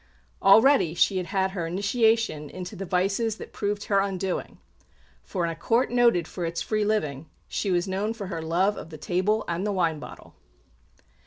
Already she had had her initiation into the vices that proved her undoing; for in a Court noted for its free living, she was known for her love of the table and the wine bottle.